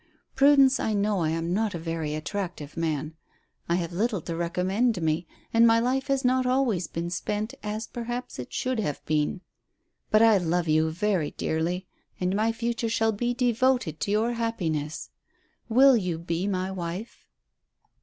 Prudence, I know I am not a very attractive man. I have little to recommend me, and my life has not always been spent as perhaps it should have been; but I love you very dearly, and my future shall be devoted to your happiness. Will you be my wife?"